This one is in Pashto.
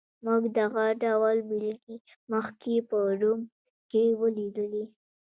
موږ دغه ډول بېلګې مخکې په روم کې ولیدلې.